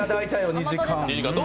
２時間。